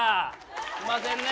すいませんね。